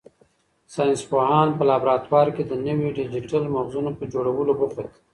ساینس پوهان په لابراتوار کې د نویو ډیجیټل مغزونو په جوړولو بوخت دي.